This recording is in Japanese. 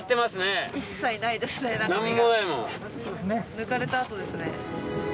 抜かれたあとですね。